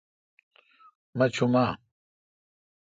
مہ چو م اہ؟